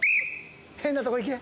変なとこ行け！